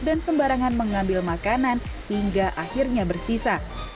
sembarangan mengambil makanan hingga akhirnya bersisa